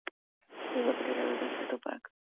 It is located at El Retiro Park.